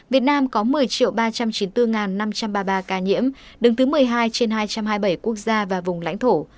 việt nam có một mươi ba trăm chín mươi bốn năm trăm ba mươi ba ca nhiễm đứng thứ một mươi hai trên hai trăm hai mươi bảy quốc gia và vùng lãnh thổ